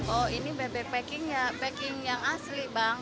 oh ini bebek packing ya packing yang asli bang